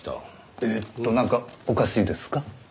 えっとなんかおかしいですか？